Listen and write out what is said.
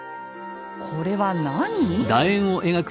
これは何？